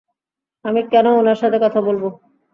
আমি কেন উনার সাথে কথা বলব?